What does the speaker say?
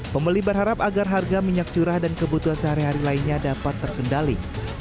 pembeli berharap agar harga minyak curah dan kebutuhan sehari hari lainnya dapat terkendali